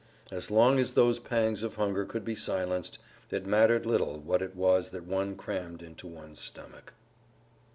As long as those pangs of hunger could be silenced, it mattered little what it was that one crammed into one's stomach.